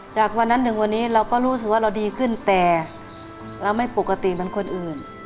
จากวันนั้นถึงวันนี้เราก็รู้สึกว่าเราดีขึ้นแต่เราไม่ปกติเหมือนคนอื่น